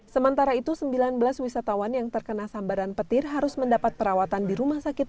sementara itu sembilan belas wisatawan yang terkena sambaran petir harus mendapat perawatan di rumah sakit